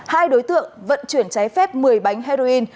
hai đối tượng vận chuyển trái phép một mươi bánh heroin